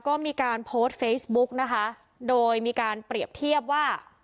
ก็มีการโพสต์เฟซบุ๊กนะคะโดยมีการเปรียบเทียบว่า